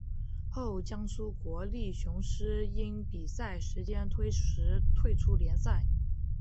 后江苏国立雄狮因比赛时间推迟退出联赛。